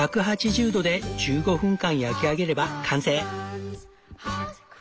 １８０度で１５分間焼き上げれば完成！